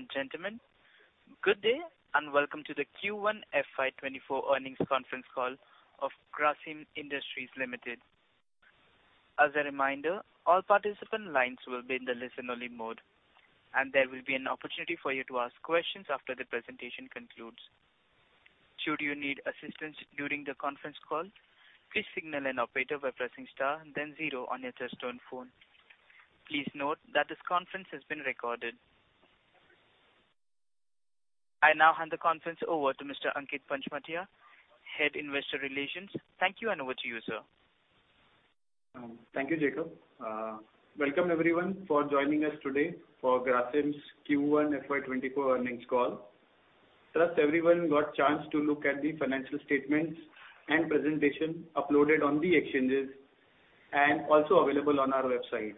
Ladies and gentlemen, good day, and welcome to the Q1 FY 2024 earnings conference call of Grasim Industries Limited. As a reminder, all participant lines will be in the listen-only mode, and there will be an opportunity for you to ask questions after the presentation concludes. Should you need assistance during the conference call, please signal an operator by pressing star, then 0 on your touchtone phone. Please note that this conference has been recorded. I now hand the conference over to Mr. Ankit Panchmatia, Head Investor Relations. Thank you, and over to you, sir. Thank you, Jacob. Welcome everyone for joining us today for Grasim's Q1 FY 2024 earnings call. Trust everyone got a chance to look at the financial statements and presentation uploaded on the exchanges and also available on our website.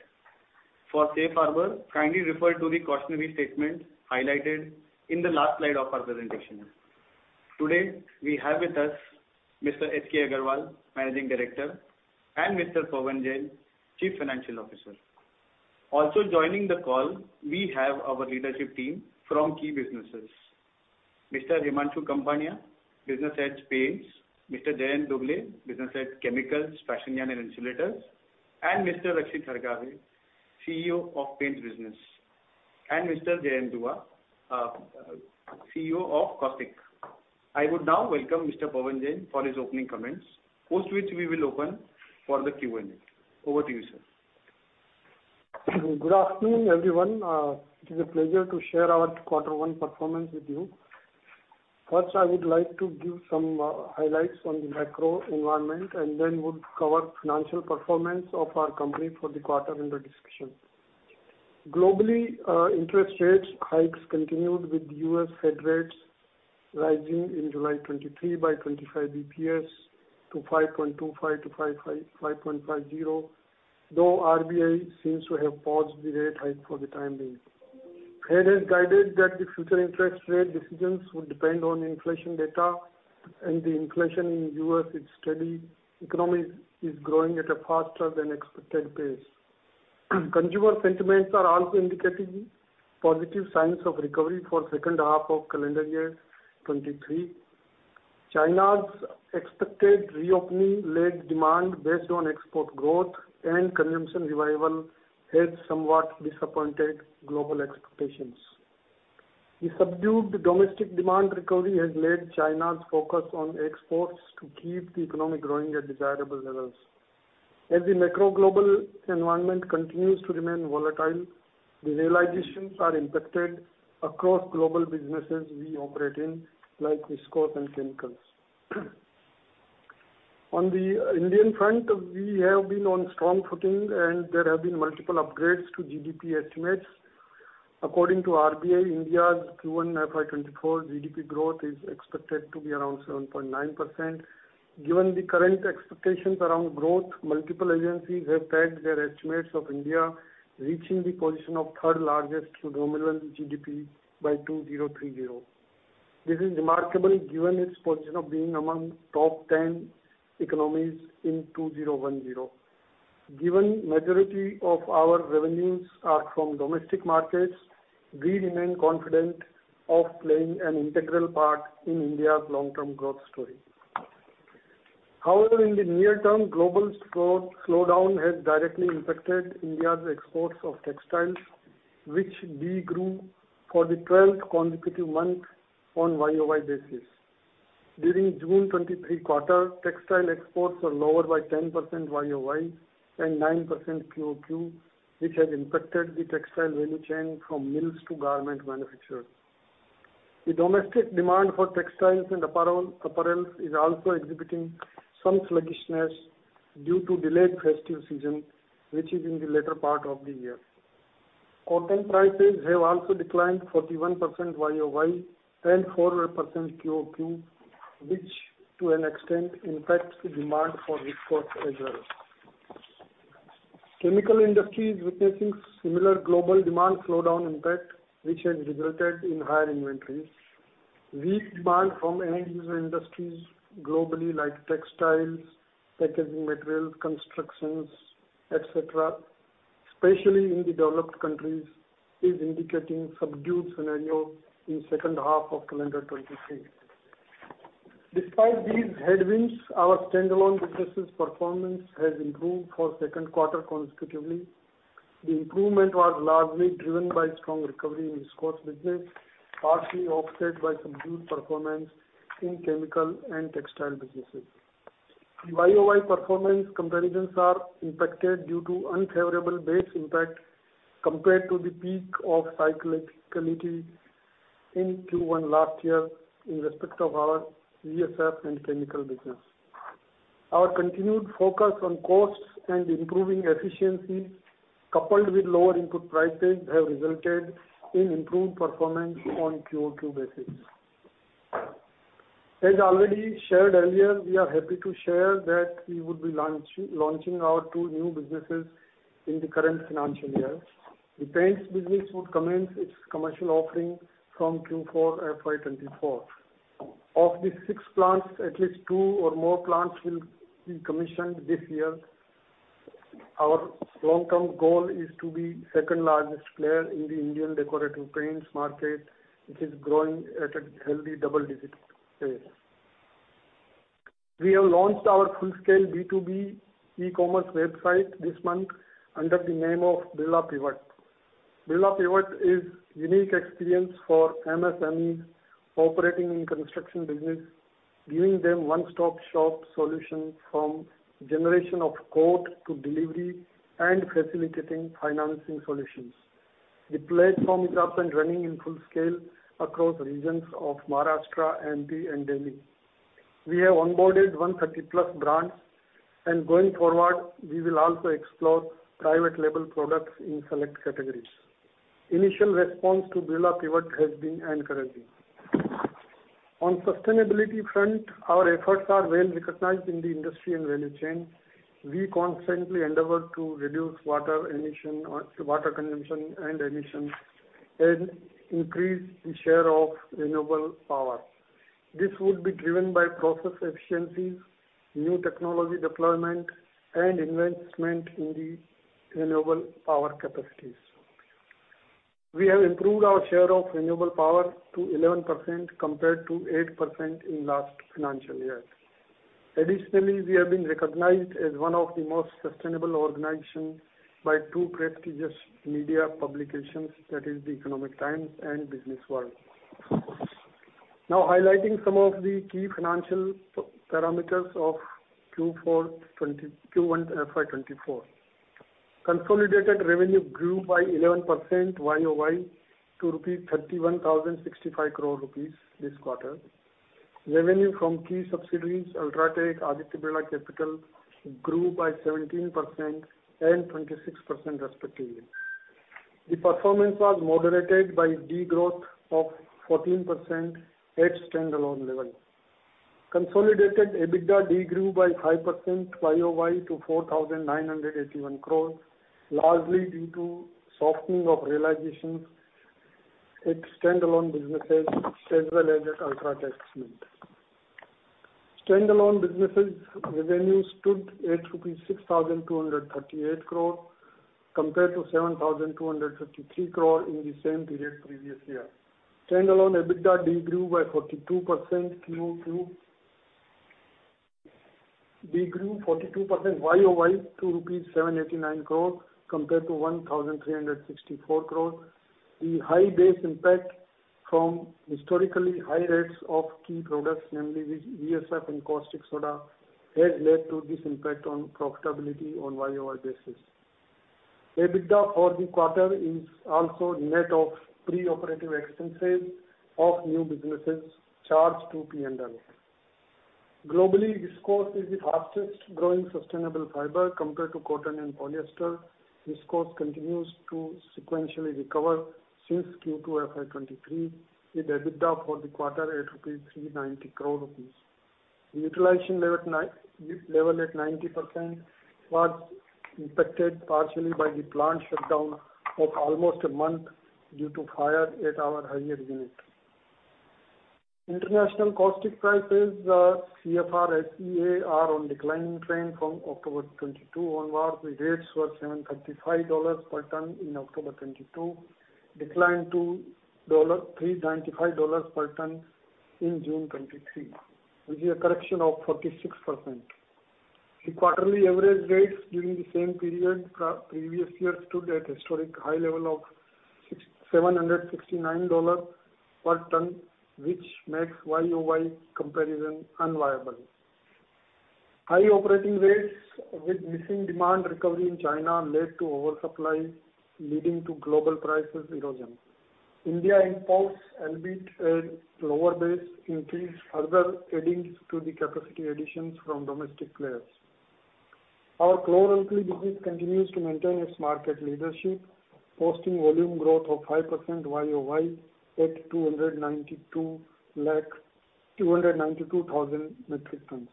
For safe harbor, kindly refer to the cautionary statement highlighted in the last slide of our presentation. Today, we have with us Mr. H.K. Agarwal, Managing Director, and Mr. Pavan Jain, Chief Financial Officer. Also joining the call, we have our leadership team from key businesses. Mr. Himanshu Kapania, Business Head, Paints, Mr. Jayant Dhobley, Business Head, Chemicals, Fashion Yarn, and Insulators, and Mr. Akshay Tharadkar, CEO of Paints Business, and Mr. Jayant Dua, CEO of Caustic. I would now welcome Mr. Pavan Jain for his opening comments, post which we will open for the Q&A. Over to you, sir. Good afternoon, everyone. It is a pleasure to share our quarter one performance with you. First, I would like to give some highlights on the macro environment, and then would cover financial performance of our company for the quarter under discussion. Globally, interest rates hikes continued, with U.S. Fed rates rising in July 2023 by 25 basis points to 5.25-5.50, though RBI seems to have paused the rate hike for the time being. Fed has guided that the future interest rate decisions would depend on inflation data, and the inflation in U.S. is steady. Economy is growing at a faster than expected pace. Consumer sentiments are also indicating positive signs of recovery for second half of calendar 2023. China's expected reopening led demand based on export growth and consumption revival has somewhat disappointed global expectations. The subdued domestic demand recovery has led China's focus on exports to keep the economy growing at desirable levels. As the macro global environment continues to remain volatile, the realizations are impacted across global businesses we operate in, like viscose and chemicals. On the Indian front, we have been on strong footing, and there have been multiple upgrades to GDP estimates. According to RBI, India's Q1 FY 2024 GDP growth is expected to be around 7.9%. Given the current expectations around growth, multiple agencies have pegged their estimates of India reaching the position of third largest nominal GDP by 2030. This is remarkable, given its position of being among top 10 economies in 2010. Given majority of our revenues are from domestic markets, we remain confident of playing an integral part in India's long-term growth story. However, in the near term, global slowdown has directly impacted India's exports of textiles, which degrew for the 12th consecutive month on YOY basis. During June 2023 quarter, textile exports were lower by 10% YOY and 9% QOQ, which has impacted the textile value chain from mills to garment manufacturers. The domestic demand for textiles and apparels is also exhibiting some sluggishness due to delayed festive season, which is in the latter part of the year. Cotton prices have also declined 41% YOY and 4% QOQ, which to an extent impacts the demand for viscose as well. Chemical industry is witnessing similar global demand slowdown impact, which has resulted in higher inventories. Weak demand from end user industries globally, like textiles, packaging, materials, constructions, et cetera, especially in the developed countries, is indicating subdued scenario in second half of calendar 2023. Despite these headwinds, our standalone businesses performance has improved for Q2 consecutively. The improvement was largely driven by strong recovery in viscose business, partly offset by subdued performance in chemical and textile businesses. The YOY performance comparisons are impacted due to unfavorable base impact compared to the peak of cyclicality in Q1 last year in respect of our VSF and chemical business. Our continued focus on costs and improving efficiency, coupled with lower input prices, have resulted in improved performance on QOQ basis. As already shared earlier, we are happy to share that we would be launching our two new businesses in the current financial year. The paints business would commence its commercial offering from Q4 FY 2024. Of the 6 plants, at least 2 or more plants will be commissioned this year. Our long term goal is to be second largest player in the Indian decorative paints market, which is growing at a healthy double-digit pace. We have launched our full-scale B2B e-commerce website this month under the name of Birla Pivot. Birla Pivot is unique experience for MSMEs operating in construction business, giving them one-stop-shop solution from generation of quote to delivery and facilitating financing solutions. The platform is up and running in full scale across regions of Maharashtra, MP, and Delhi. We have onboarded 130+ brands. Going forward, we will also explore private label products in select categories. Initial response to Birla Pivot has been encouraging. On sustainability front, our efforts are well recognized in the industry and value chain. We constantly endeavor to reduce water emission or water consumption and emissions, increase the share of renewable power. This would be driven by process efficiencies, new technology deployment, and investment in the renewable power capacities. We have improved our share of renewable power to 11%, compared to 8% in last financial year. Additionally, we have been recognized as one of the most sustainable organization by two prestigious media publications, that is, The Economic Times and Business World. Now, highlighting some of the key financial parameters of Q1 FY 2024. Consolidated revenue grew by 11% Y-o-Y to 31,065 crore rupees this quarter. Revenue from key subsidiaries, UltraTech, Aditya Birla Capital, grew by 17% and 26% respectively. The performance was moderated by degrowth of 14% at standalone level. Consolidated EBITDA de-grew by 5% Y-o-Y to 4,981 crore, largely due to softening of realizations at standalone businesses, as well as at UltraTech Cement. Standalone businesses revenue stood at 6,238 crore, compared to 7,253 crore in the same period previous year. Standalone EBITDA de-grew by 42% Y-o-Y to rupees 789 crore compared to 1,364 crore. The high base impact from historically high rates of key products, namely VSF and caustic soda, has led to this impact on profitability on Y-o-Y basis. EBITDA for the quarter is also net of pre-operative expenses of new businesses charged to P&L. Globally, viscose is the fastest growing sustainable fiber compared to cotton and polyester. Viscose continues to sequentially recover since Q2 FY 2023, with EBITDA for the quarter at 390 crore rupees. Utilization level at 90% was impacted partially by the plant shutdown of almost a month due to fire at our Harihar unit. International caustic prices, the CFR SEA, are on declining trend from October 2022 onwards. The rates were $735 per ton in October 2022, declined to $395 per ton in June 2023, with a correction of 46%. The quarterly average rates during the same period previous year stood at historic high level of $769 per ton, which makes Y-o-Y comparison unviable. High operating rates with missing demand recovery in China led to oversupply, leading to global prices erosion. India imports, albeit a lower base, increased, further adding to the capacity additions from domestic players. Our Chlor-alkali business continues to maintain its market leadership, posting volume growth of 5% Y-o-Y at 292,000 metric tons.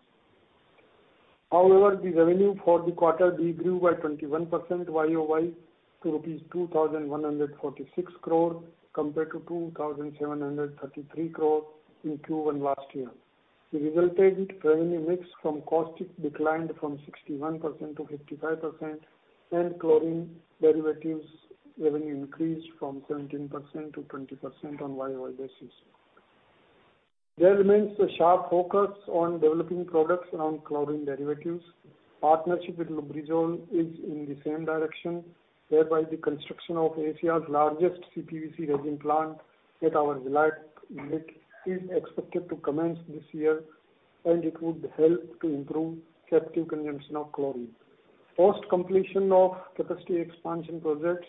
The revenue for the quarter de-grew by 21% Y-o-Y to rupees 2,146 crore, compared to 2,733 crore in Q1 last year. The resulted revenue mix from caustic declined from 61% to 55%, and chlorine derivatives revenue increased from 17% to 20% on Y-o-Y basis. There remains a sharp focus on developing products around chlorine derivatives. Partnership with Lubrizol is in the same direction, whereby the construction of Asia's largest CPVC resin plant at our Vizag unit is expected to commence this year, and it would help to improve captive consumption of chlorine. Post completion of capacity expansion projects,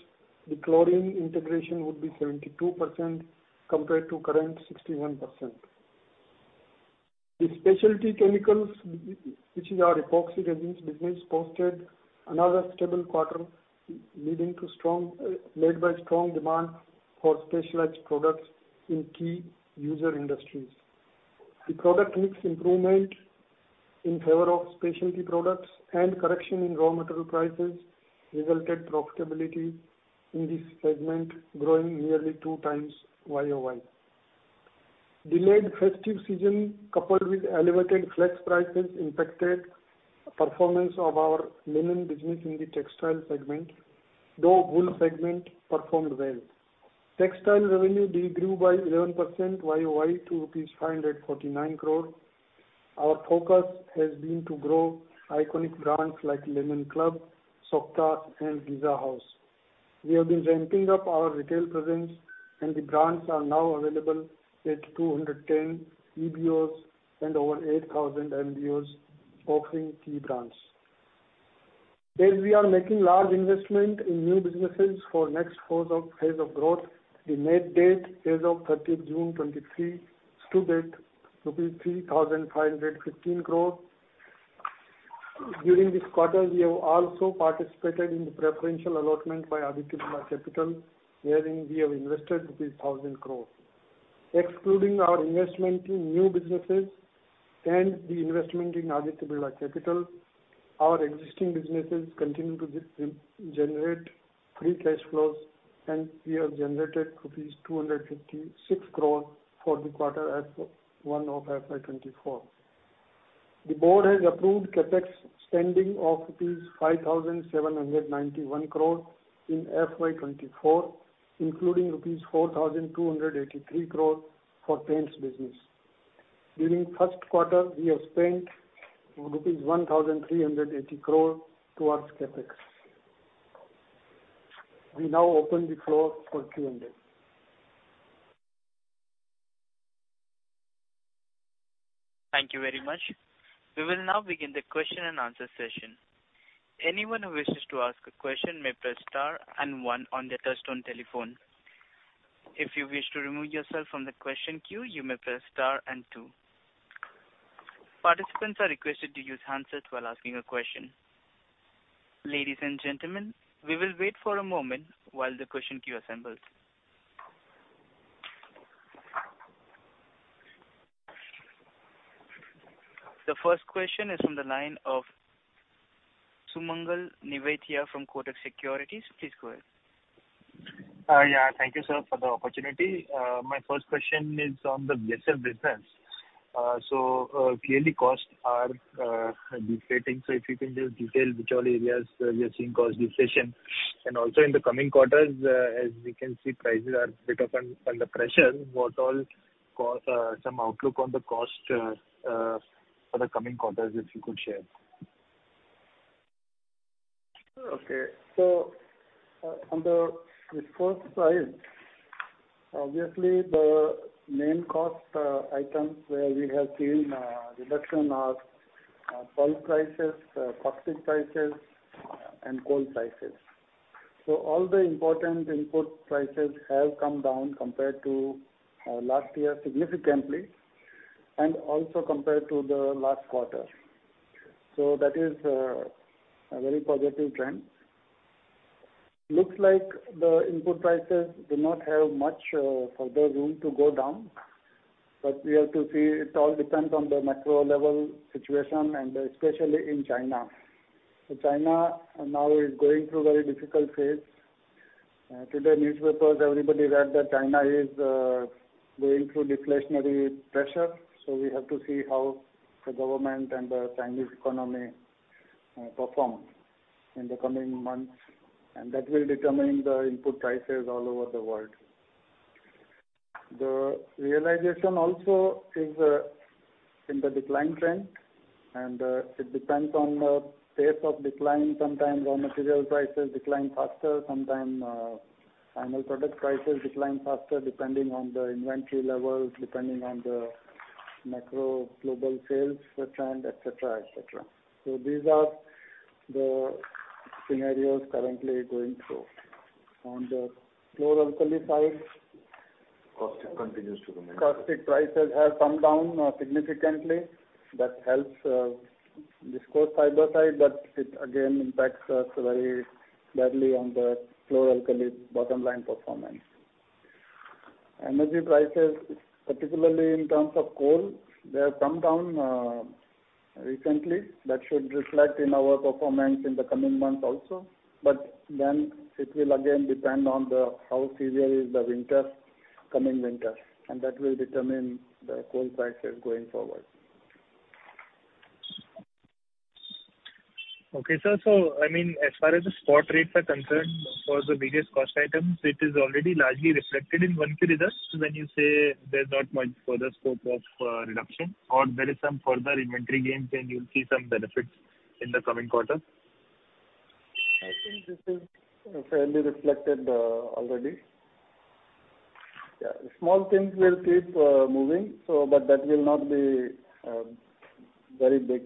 the chlorine integration would be 72% compared to current 61%. The specialty chemicals, which is our epoxy resins business, posted another stable quarter, leading to strong, led by strong demand for specialized products in key user industries. The product mix improvement in favor of specialty products and correction in raw material prices resulted profitability in this segment growing nearly 2 times Y-o-Y. delayed festive season, coupled with elevated flax prices, impacted performance of our linen business in the textile segment, though wool segment performed well. Textile revenue de-grew by 11% YOY to rupees 549 crore. Our focus has been to grow iconic brands like Linen Club, Soktas and Giza House. We have been ramping up our retail presence, and the brands are now available at 210 EBOs and over 8,000 MBOs, offering key brands. As we are making large investment in new businesses for next phase of, phase of growth, the net debt as of 30th June 2023, stood at rupees 3,515 crore. During this quarter, we have also participated in the preferential allotment by Aditya Birla Capital, wherein we have invested rupees 1,000 crore. Excluding our investment in new businesses and the investment in Aditya Birla Capital, our existing businesses continue to generate free cash flows, and we have generated rupees 256 crore for the quarter F1 of FY 2024. The board has approved CapEx spending of rupees 5,791 crore in FY 2024, including rupees 4,283 crore for Paints business. During Q1, we have spent rupees 1,380 crore towards CapEx. We now open the floor for Q&A. Thank you very much. We will now begin the question and answer session. Anyone who wishes to ask a question may press star 1 on their touch-tone telephone. If you wish to remove yourself from the question queue, you may press star 2. Participants are requested to use handsets while asking a question. Ladies and gentlemen, we will wait for a moment while the question queue assembles. The first question is from the line of Sumangal Nevatia from Kotak Securities. Please go ahead. Yeah, thank you, sir, for the opportunity. My first question is on the VSF business. Clearly costs are deflating. If you can just detail which all areas we are seeing cost deflation, and also in the coming quarters, as we can see, prices are bit under, under pressure, what all cost, some outlook on the cost for the coming quarters, if you could share? Okay. On the viscose side, obviously, the main cost items where we have seen reduction are pulp prices, caustic prices, and coal prices. All the important input prices have come down compared to last year significantly, and also compared to the last quarter. That is a very positive trend. Looks like the input prices do not have much further room to go down, but we have to see. It all depends on the macro level situation and especially in China. China now is going through a very difficult phase. Today newspapers, everybody read that China is going through deflationary pressure, we have to see how the government and the Chinese economy perform in the coming months, and that will determine the input prices all over the world. The realization also is in the decline trend, and it depends on the pace of decline. Sometimes, raw material prices decline faster, sometimes, final product prices decline faster, depending on the inventory levels, depending on the macro global sales trend, et cetera, et cetera. These are the scenarios currently going through. On the Chlor-alkali side. Caustic continues to remain- Caustic prices have come down significantly. That helps viscose fiber side, but it again impacts us very badly on the Chlor-alkali bottom line performance. Energy prices, particularly in terms of coal, they have come down recently. That should reflect in our performance in the coming months also, but then it will again depend on the, how severe is the winter, coming winter, and that will determine the coal prices going forward. Okay, sir. I mean, as far as the spot rates are concerned, for the biggest cost items, it is already largely reflected in one key result. When you say there's not much further scope of reduction, or there is some further inventory gains, and you'll see some benefits in the coming quarter? I think this is fairly reflected, already. Yeah, small things will keep moving, so but that will not be very big.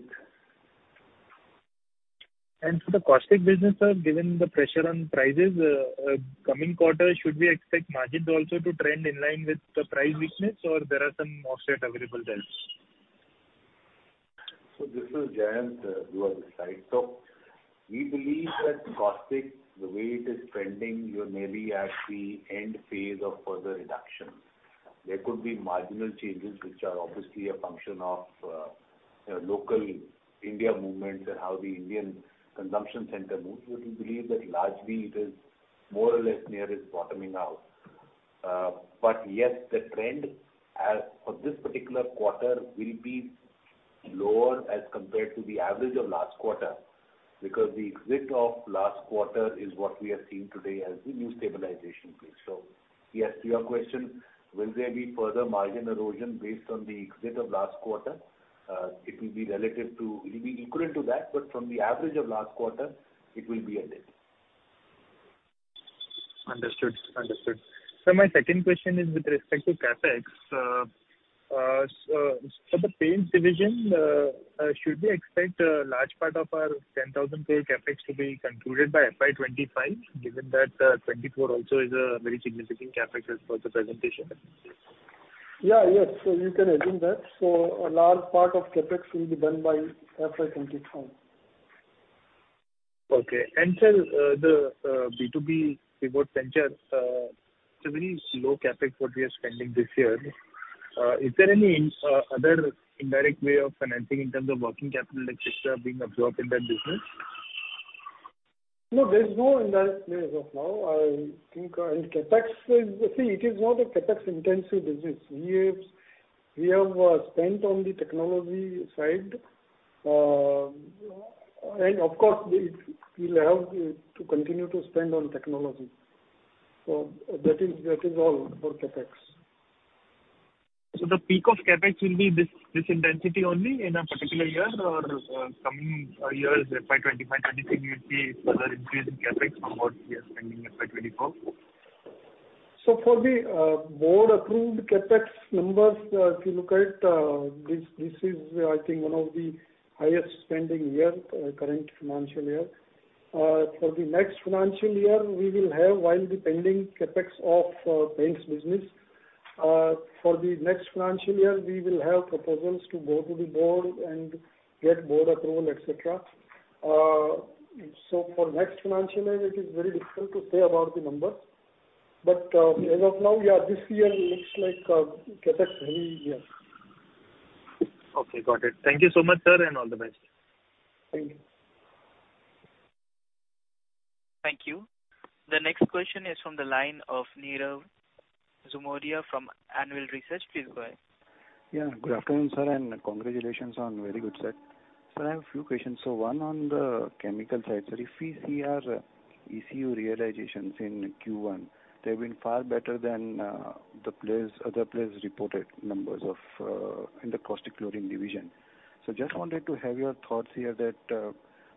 For the caustic business, sir, given the pressure on prices, coming quarter, should we expect margins also to trend in line with the price weakness, or there are some offset available else? This is Jayant, Aditya Birla. We believe that Caustic, the way it is trending, you may be at the end phase of further reductions. There could be marginal changes, which are obviously a function of local India movements and how the Indian consumption center moves, but we believe that largely it is... more or less near its bottoming out. But yes, the trend as for this particular quarter will be lower as compared to the average of last quarter, because the exit of last quarter is what we are seeing today as the new stabilization point. Yes, to your question, will there be further margin erosion based on the exit of last quarter? It will be relative to, it will be equivalent to that, but from the average of last quarter, it will be a bit. Understood. Understood. Sir, my second question is with respect to CapEx. For the paints division, should we expect a large part of our 10,000 paint CapEx to be concluded by FY 2025, given that, 2024 also is a very significant CapEx as per the presentation? Yeah. Yes, you can assume that. A large part of CapEx will be done by FY 2025. Okay. Sir, the B2B segment venture, it's a very slow CapEx, what we are spending this year. Is there any other indirect way of financing in terms of working capital, et cetera, being absorbed in that business? No, there's no indirect way as of now. I think, in CapEx, see, it is not a CapEx-intensive business. We have, we have spent on the technology side, and of course, we, we'll have to continue to spend on technology. That is, that is all for CapEx. The peak of CapEx will be this, this intensity only in a particular year or coming years, FY 25, 26, we will see further increase in CapEx from what we are spending in FY 24? For the board-approved CapEx numbers, if you look at, this, this is, I think, 1 of the highest spending year, current financial year. For the next financial year, we will have while depending CapEx of paints business. For the next financial year, we will have proposals to go to the board and get board approval, et cetera. For next financial year, it is very difficult to say about the numbers, but, as of now, yeah, this year looks like, CapEx, heavy year. Okay, got it. Thank you so much, sir, and all the best. Thank you. Thank you. The next question is from the line of Nirav Bothra from Anvil Research. Please go ahead. Yeah, good afternoon, sir, and congratulations on very good set. Sir, I have a few questions. One on the chemical side. Sir, if we see our ECU realizations in Q1, they've been far better than the players, other players reported numbers of in the Caustic chlorine division. Just wanted to have your thoughts here that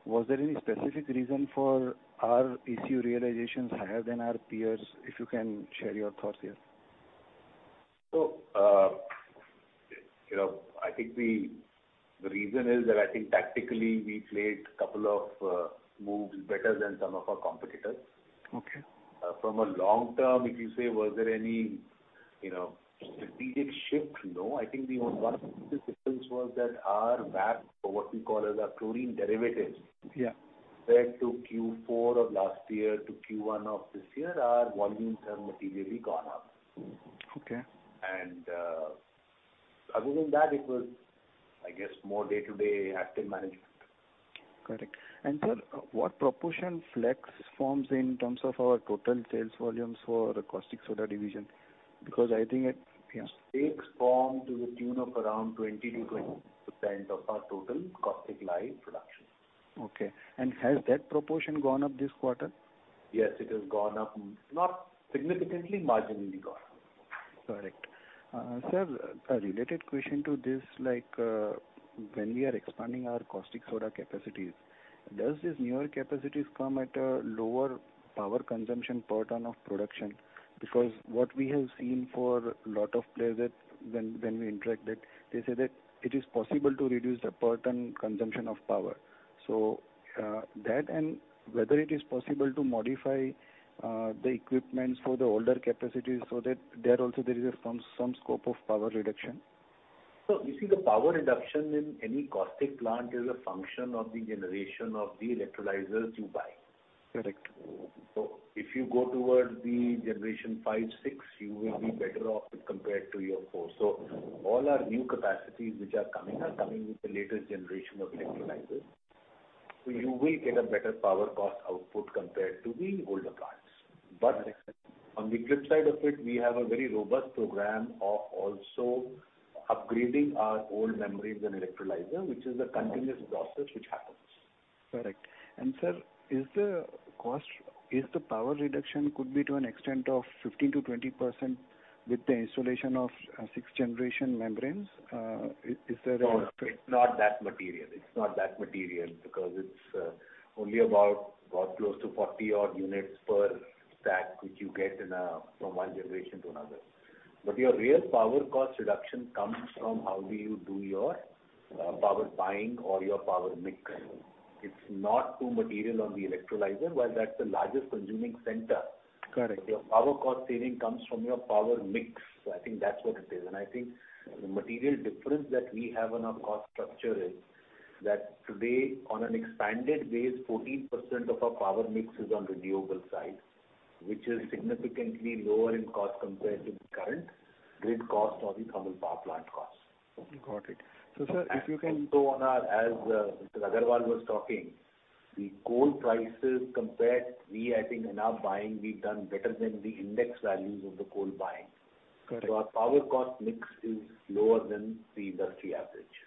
was there any specific reason for our ECU realizations higher than our peers? If you can share your thoughts here. I think the, the reason is that I think tactically we played a couple of moves better than some of our competitors. Okay. From a long term, if you say, was there any, strategic shift? No, I think the one was that our VAP, or what we call as our chlorine derivatives. Yeah. compared to Q4 of last year to Q1 of this year, our volumes have materially gone up. Okay. Other than that, it was, I guess, more day-to-day active management. Correct. Sir, what proportion flax forms in terms of our total sales volumes for the caustic soda division? Because I think it. Flex form to the tune of around 20%-22% of our total caustic lye production. Okay. Has that proportion gone up this quarter? Yes, it has gone up. Not significantly, marginally gone up. Correct. Sir, a related question to this, when we are expanding our caustic soda capacities, does these newer capacities come at a lower power consumption per ton of production? What we have seen for a lot of players that when, when we interacted, they said that it is possible to reduce the per ton consumption of production consumption of power. That and whether it is possible to modify the equipment for the older capacities so that there also there is some, some scope of power reduction. You see, the power reduction in any caustic plant is a function of the generation of the electrolyzers you buy. Correct. If you go towards the generation 5, 6, you will be better off compared to your 4. All our new capacities which are coming, are coming with the latest generation of electrolyzers. You will get a better power cost output compared to the older plants. Correct. On the flip side of it, we have a very robust program of also upgrading our old membranes and electrolyzer, which is a continuous process which happens. Correct. Sir, is the power reduction could be to an extent of 15%-20% with the installation of 6th-generation membranes? Is there any- No, it's not that material. It's not that material, because it's only about, about close to 40 odd units per stack, which you get in a, from one generation to another. Your real power cost reduction comes from how do you do your power buying or your power mix. It's not too material on the electrolyzer, while that's the largest consuming center. Correct. Your power cost saving comes from your power mix. I think that's what it is. I think the material difference that we have on our cost structure is, that today, on an expanded base, 14% of our power mix is on renewable side, which is significantly lower in cost compared to current. Grid cost or the thermal power plant costs. Got it. sir, if you can- On our, as Mr. Agarwal was talking, the coal prices compared, we, I think in our buying, we've done better than the index values of the coal buying. Got it. Our power cost mix is lower than the industry average.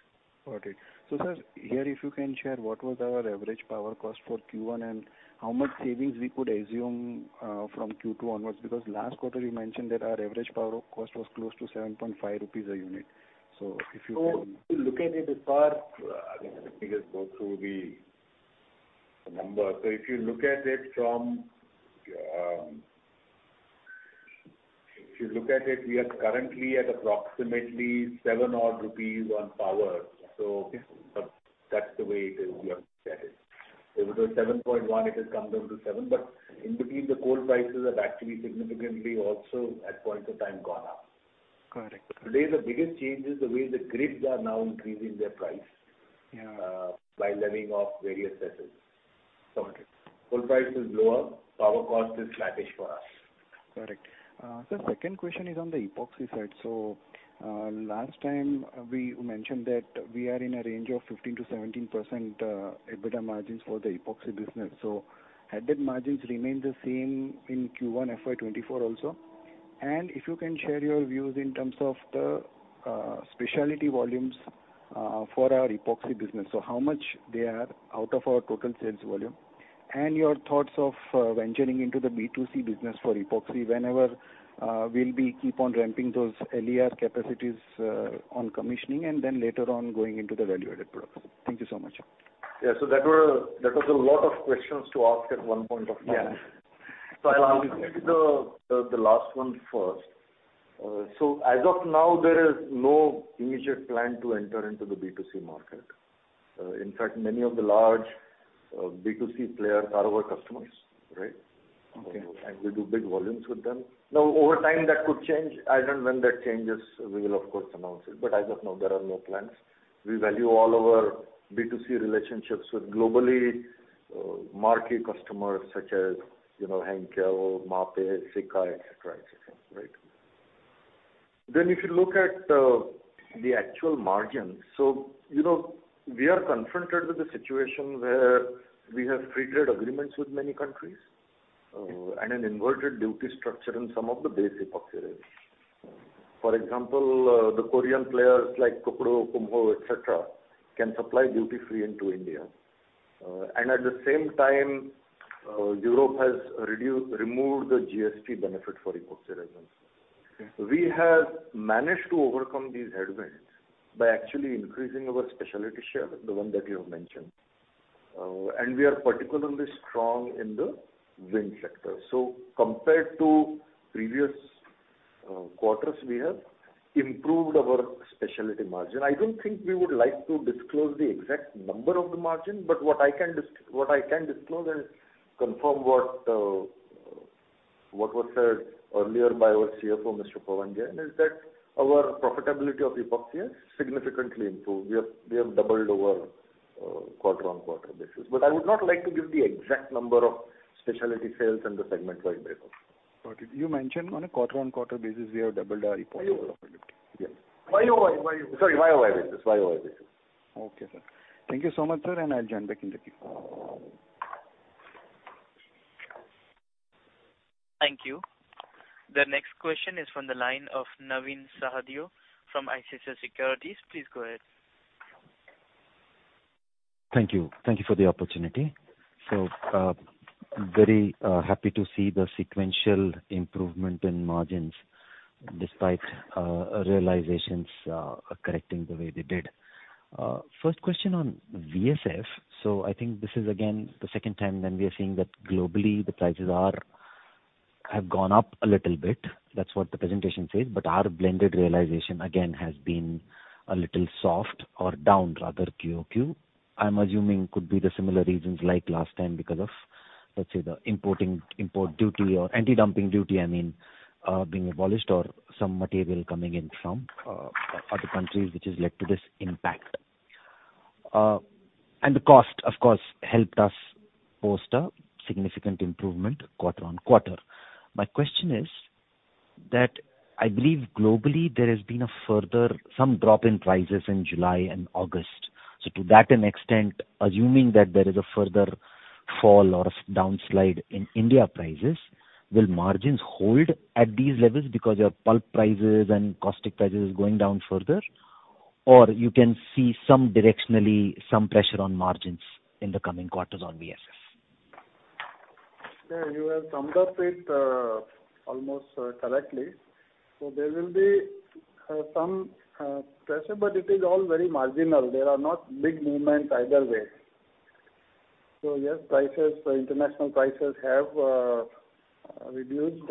Got it. Sir, here, if you can share, what was our average power cost for Q1, and how much savings we could assume, from Q2 onwards? Because last quarter you mentioned that our average power cost was close to 7.5 rupees a unit. If you can- If you look at it as far, let me just go through the number. If you look at it from, if you look at it, we are currently at approximately 7 rupees odd on power. Okay. That's the way it is, we have to set it. It was at 7.1, it has come down to 7, but in between, the coal prices have actually significantly also, at point of time, gone up. Correct. Today, the biggest change is the way the grids are now increasing their price. Yeah By levying off various assets. Got it. Coal price is lower, power cost is flattish for us. Correct. Sir, second question is on the epoxy side. Last time we mentioned that we are in a range of 15%-17% EBITDA margins for the epoxy business. Had that margins remained the same in Q1 FY 2024 also? If you can share your views in terms of the speciality volumes for our epoxy business. How much they are out of our total sales volume, and your thoughts of venturing into the B2C business for epoxy whenever we'll be keep on ramping those LAR capacities on commissioning, and then later on, going into the value-added products. Thank you so much. Yeah. That was a lot of questions to ask at one point of time. Yeah. I'll answer the last one first. As of now, there is no immediate plan to enter into the B2C market. In fact, many of the large B2C players are our customers, right? Okay. We do big volumes with them. Now, over time, that could change. As and when that changes, we will of course announce it, but as of now, there are no plans. We value all our B2C relationships with globally, marquee customers such as, Henkel, Mapei, Sika, et cetera, et cetera, right? If you look at the actual margins, we are confronted with a situation where we have free trade agreements with many countries, and an inverted duty structure in some of the base epoxy areas. For example, the Korean players like Kukdo, Kumho, et cetera, can supply duty-free into India. At the same time, Europe has removed the GST benefit for epoxy resins. Okay. We have managed to overcome these headwinds by actually increasing our specialty share, the one that you have mentioned. We are particularly strong in the wind sector. Compared to previous quarters, we have improved our specialty margin. I don't think we would like to disclose the exact number of the margin, what I can disclose and confirm what was said earlier by our Chief Financial Officer, Mr. Pavan Jain, is that our profitability of epoxy has significantly improved. We have doubled our quarter-on-quarter basis. I would not like to give the exact number of specialty sales and the segment-wide basis. Got it. You mentioned on a quarter-on-quarter basis, we have doubled our epoxy profitability. Yes. YOY, YOY. Sorry, YOY basis. YOY basis. Okay, sir. Thank you so much, sir. I'll join back in the queue. Thank you. The next question is from the line of Navin Sahadeo from ICICI Securities. Please go ahead. Thank you. Thank you for the opportunity. Very happy to see the sequential improvement in margins despite realisations correcting the way they did. First question on VSF. I think this is again, the second time when we are seeing that globally the prices have gone up a little bit. That's what the presentation says. Our blended realization again, has been a little soft or down rather QOQ. I'm assuming could be the similar reasons like last time because of, let's say, the importing, import duty or anti-dumping duty, I mean, being abolished or some material coming in from other countries, which has led to this impact. The cost, of course, helped us post a significant improvement quarter-on-quarter. My question is that I believe globally there has been a further some drop in prices in July and August. To that an extent, assuming that there is a further fall or a downslide in India prices, will margins hold at these levels because your pulp prices and caustic prices is going down further? You can see some directionally, some pressure on margins in the coming quarters on VSF. Yeah, you have summed up it, almost, correctly. There will be, some, pressure, but it is all very marginal. There are not big movements either way. Yes, prices, international prices have, reduced,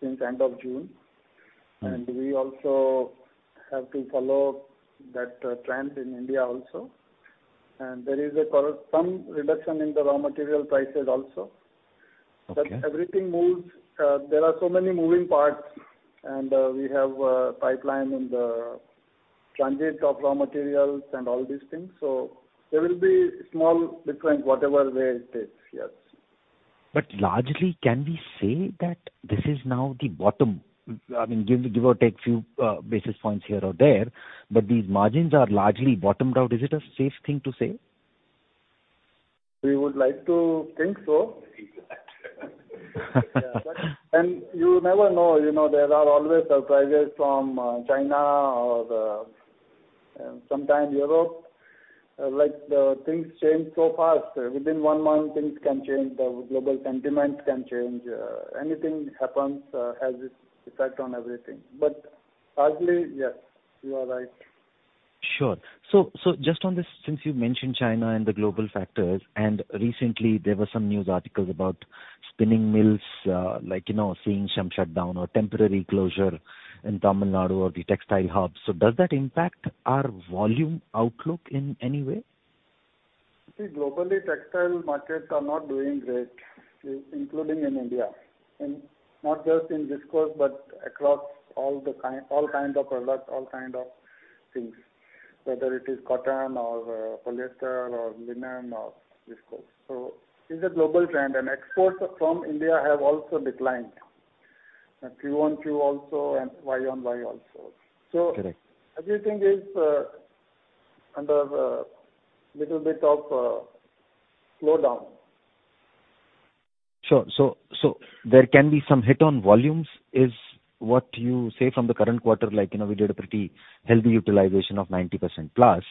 since end of June. Mm-hmm. We also have to follow that trend in India also. There is some reduction in the raw material prices also. Okay. Everything moves. There are so many moving parts, and we have a pipeline in the transit of raw materials and all these things. There will be small difference, whatever way it takes. Yes. Largely, can we say that this is now the bottom? I mean, give, give or take few basis points here or there, but these margins are largely bottomed out. Is it a safe thing to say? We would like to think so. You never know, there are always surprises from China or sometimes Europe. Like, the things change so fast. Within one month, things can change, the global sentiment can change. Anything happens has its effect on everything. Largely, yes, you are right. Sure. Just on this, since you mentioned China and the global factors, and recently there were some news articles about spinning mills, like, seeing some shutdown or temporary closure in Tamil Nadu or the textile hubs. Does that impact our volume outlook in any way? See, globally, textile markets are not doing great, including in India, and not just in viscose, but across all the kind, all kinds of products, all kind of things, whether it is cotton or polyester or linen or viscose. It's a global trend, and exports from India have also declined, Q-on-Q also and Y-on-Y also. Correct. Everything is under a little bit of a slowdown. Sure. There can be some hit on volumes, is what you say from the current quarter, like, we did a pretty healthy utilization of 90% plus.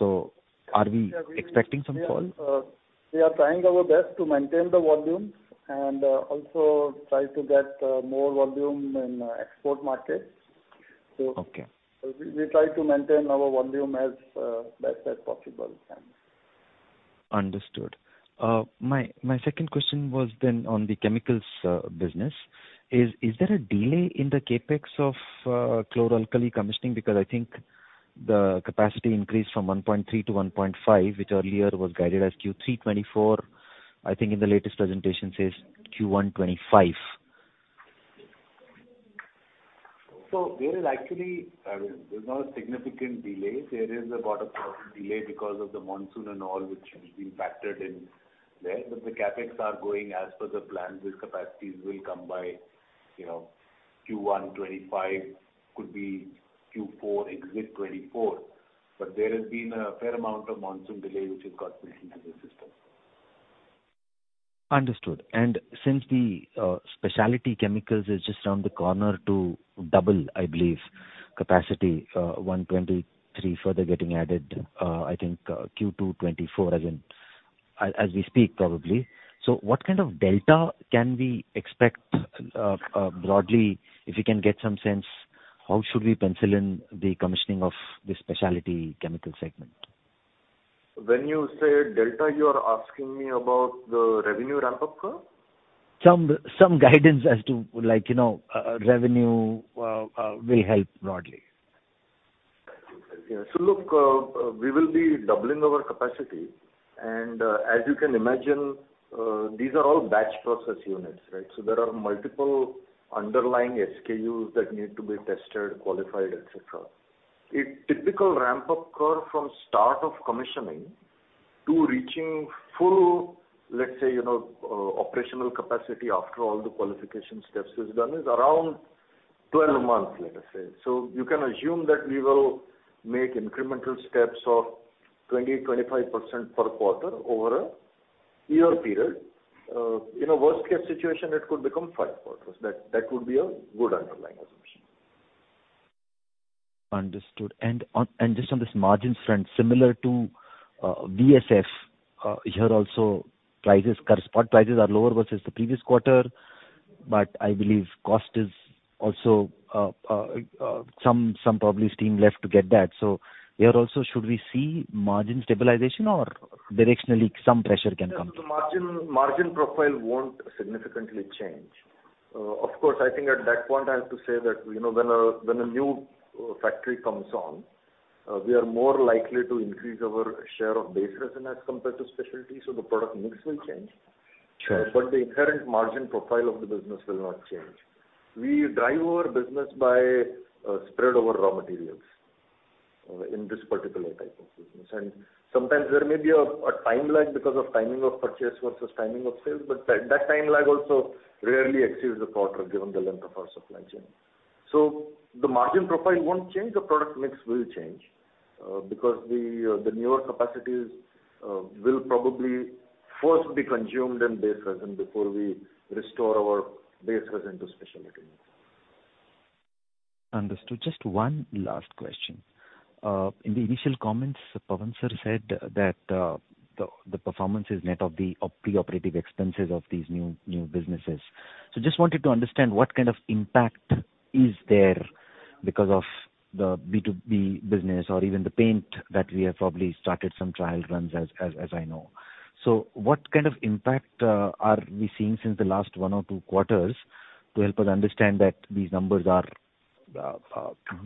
Are we expecting some fall? We are trying our best to maintain the volume and also try to get more volume in export markets. Okay. We, we try to maintain our volume as best as possible. Understood. My second question was then on the chemicals business. Is there a delay in the CapEx of Chlor-alkali commissioning? I think the capacity increased from 1.3 to 1.5, which earlier was guided as Q3 2024. I think in the latest presentation says Q1 2025. There is actually, I mean, there's not a significant delay. There is about a delay because of the monsoon and all, which has been factored in there. The CapEx are going as per the plan. These capacities will come by, Q1 2025, could be Q4, exit 2024. There has been a fair amount of monsoon delay which has got into the system. Understood. Since the specialty chemicals is just around the corner to double, I believe, capacity, 123 further getting added, I think, Q2 2024, again, as, as we speak, probably. What kind of delta can we expect, broadly, if you can get some sense, how should we pencil in the commissioning of the specialty chemical segment? When you say delta, you are asking me about the revenue ramp-up curve? Some, some guidance as to like revenue will help broadly. Look, we will be doubling our capacity. As you can imagine, these are all batch process units, right? There are multiple underlying SKUs that need to be tested, qualified, et cetera. A typical ramp-up curve from start of commissioning to reaching full, let's say, operational capacity after all the qualification steps is done, is around 12 months, let us say. You can assume that we will make incremental steps of 20-25% per quarter over a year period. In a worst case situation, it could become Q5. That, that would be a good underlying assumption. Understood. On, and just on this margins front, similar to VSF, here also, prices, current spot prices are lower versus the previous quarter, I believe cost is also, some, some probably steam left to get that. Here also, should we see margin stabilization or directionally, some pressure can come? Margin, margin profile won't significantly change. Of course, I think at that point, I have to say that, when a new factory comes on, we are more likely to increase our share of base resin as compared to specialty, so the product mix will change. Sure. The inherent margin profile of the business will not change. We drive our business by spread over raw materials in this particular type of business. Sometimes there may be a time lag because of timing of purchase versus timing of sales, but that, that time lag also rarely exceeds the quarter, given the length of our supply chain. The margin profile won't change. The product mix will change because the newer capacities will probably first be consumed in base resin before we restore our base resin to specialty mix. Understood. Just 1 last question. In the initial comments, Pavan sir said that, the performance is net of the pre-operative expenses of these new, new businesses. Just wanted to understand what kind of impact is there because of the B2B business or even the paint that we have probably started some trial runs, as I know. What kind of impact are we seeing since the last one to two quarter to help us understand that these numbers are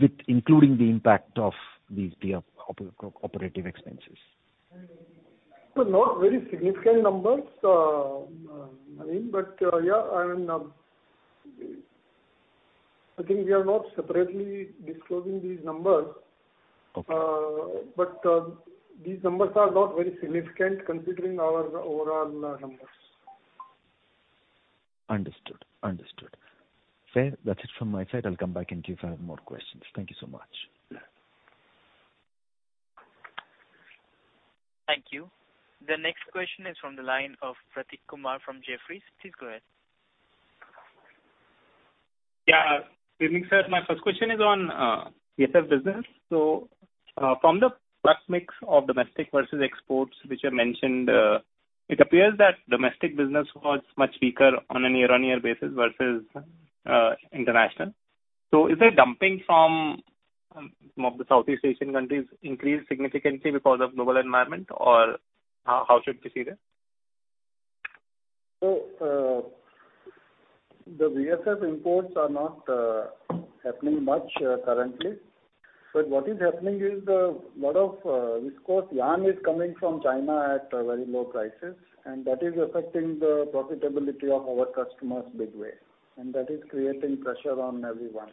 with including the impact of these pre-operative expenses? Not very significant numbers, I mean, but, yeah. I think we are not separately disclosing these numbers. Okay. These numbers are not very significant considering our overall numbers. Understood. Understood. Fair. That's it from my side. I'll come back in case I have more questions. Thank you so much. Thank you. The next question is from the line of Prateek Kumar from Jefferies. Please go ahead. Yeah. Good evening, sir. My first question is on VSF business. From the product mix of domestic versus exports, which are mentioned, it appears that domestic business was much weaker on a year-on-year basis versus international. Is there dumping from, from of the Southeast Asian countries increased significantly because of global environment, or how, how should we see that? The VSF imports are not happening much currently, but what is happening is the lot of viscose yarn is coming from China at a very low prices, and that is affecting the profitability of our customers big way, and that is creating pressure on everyone.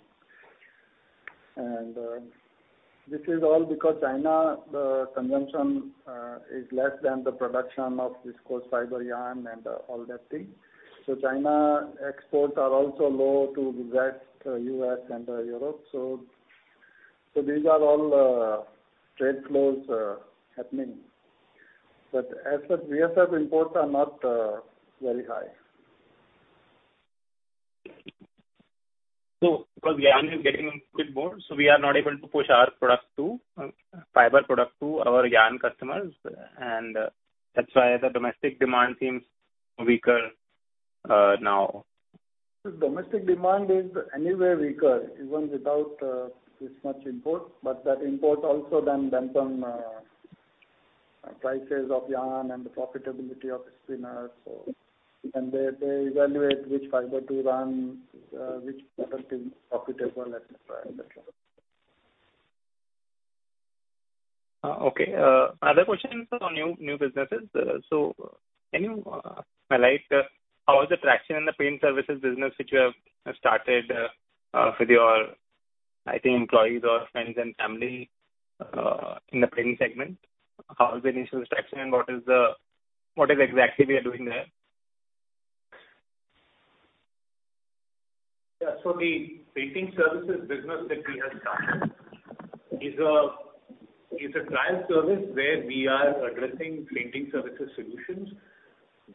This is all because China consumption is less than the production of viscose fiber yarn and all that thing. China exports are also low to the West, U.S. and Europe. These are all trade flows happening. As such, VSF imports are not very high. Because yarn is getting a bit more, so we are not able to push our product to, fiber product to our yarn customers, and that's why the domestic demand seems weaker, now. Domestic demand is anyway weaker, even without this much import. That import also then dampen prices of yarn and the profitability of spinners. They, they evaluate which fiber to run, which product is profitable at that level. Okay. Other question is on new, new businesses. Can you highlight how is the traction in the paint services business which you have started with your, I think, employees or friends and family in the painting segment? How is the initial traction, and what is exactly you are doing there? Yeah. The painting services business that we have started is a trial service where we are addressing painting services solutions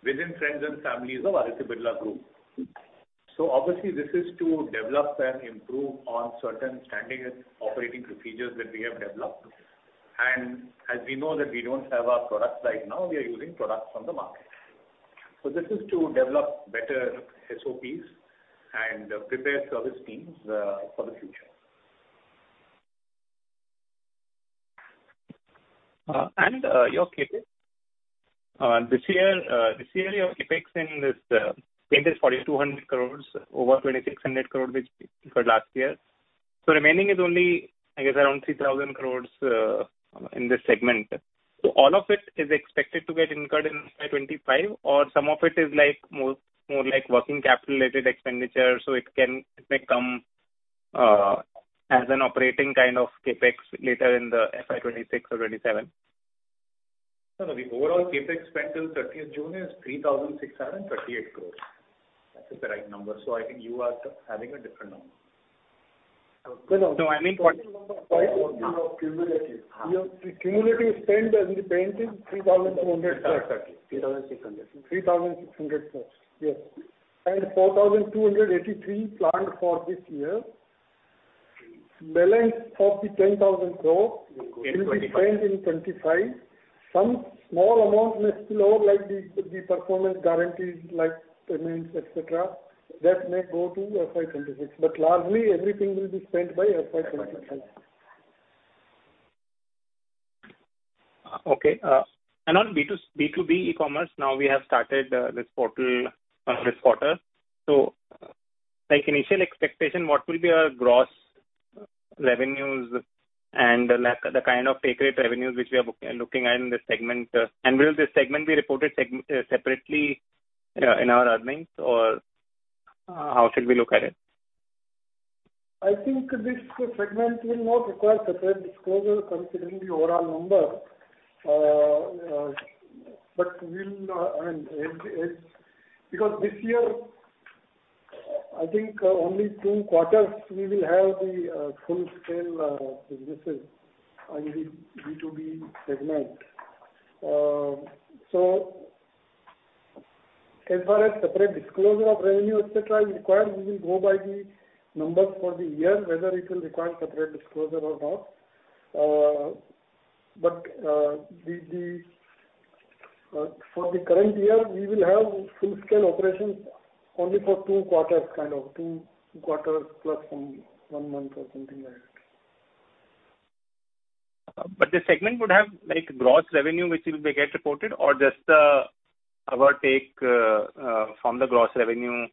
within friends and families of Aditya Birla Group. Obviously, this is to develop and improve on certain Standard Operating Procedures that we have developed. As we know that we don't have our products right now, we are using products from the market. This is to develop better SOPs and prepare service teams for the future. And your CapEx this year, this year your CapEx in this paint is 4,200 crore, over 2,600 crore, which for last year. So remaining is only, I guess, around 3,000 crore in this segment. So all of it is expected to get incurred in FY 2025, or some of it is like, more, more like working capital related expenditure, so it can, it may come as an operating kind of CapEx later in the FY 2026 or 2027? No, the overall CapEx spend till 30th June is 3,638 crore. That's the right number, I think you are having a different number. No, I mean. Cumulative. Cumulative spend as we painted 3,200 crore. 3,600. 3,600 crore, yes. 4,283 crore planned for this year. Balance of the 10,000 crore- In 2025. Will be spent in 2025. Some small amount may still be like the, the performance guarantees, like payments, et cetera, that may go to FY 2026, but largely everything will be spent by FY 2025. Okay, on B to- B2B e-commerce, now we have started this portal on this quarter. Like initial expectation, what will be our gross revenues and the like the kind of take rate revenues which we are looking at in this segment? Will this segment be reported segm- separately in our earnings? How should we look at it? Not will not require separate disclosure considering the overall number. But we'll, and it, it... Because this year, I think, only Q2 we will have the full-scale business on the B2B segment. So as far as separate disclosure of revenue, et cetera, is required, we will go by the numbers for the year, whether it will require separate disclosure or not. But the, the, for the current year, we will have full scale operations only for Q2 kind of Q2 plus 1, 1 month or something like that. The segment would have like gross revenue, which will be get reported or just, our take, from the gross revenue?